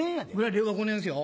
令和５年ですよ。